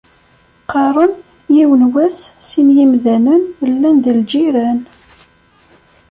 Qqaren, yiwen wass, sin yimdanen, llan d lğiran.